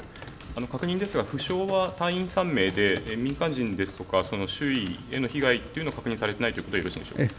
確認ですが負傷は隊員３名で民間人ですとか周囲への被害というのは確認されていないということでよろしいでしょうか。